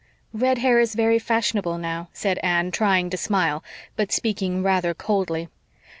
"Red hair is very fashionable now," said Anne, trying to smile, but speaking rather coldly.